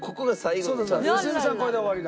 良純さんこれで終わりだ。